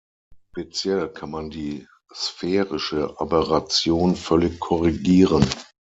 Speziell kann man die sphärische Aberration völlig korrigieren.